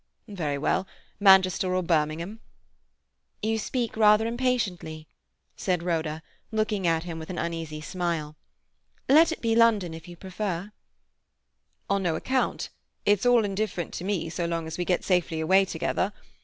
"Very well. Manchester or Birmingham." "You speak rather impatiently," said Rhoda, looking at him with an uneasy smile. "Let it be London if you prefer—" "On no account. It's all indifferent to me so long as we get safely away together.